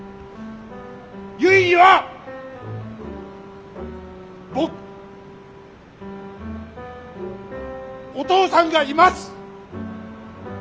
ゆいには僕お父さんがいます！